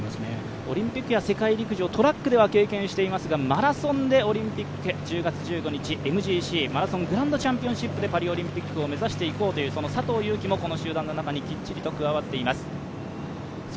オリンピックや世界陸上、トラックでは経験していますが、マラソンで１０月１５日、ＭＧＣでパリオリンピックを目指していこうという佐藤悠基もこの集団の中に、きっちりと加わっています。